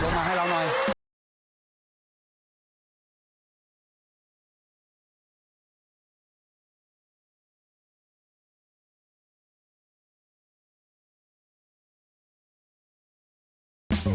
โดยหมดน้ำล้อเล่นต้องหลงแม่ง